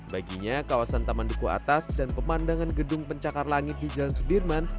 baginya kawasan taman duku atas dan pemandangan gedung pencakar langit di jalan sudirman